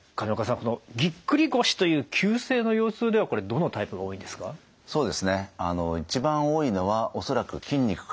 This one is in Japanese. このぎっくり腰という急性の腰痛ではこれどのタイプが多いんですか？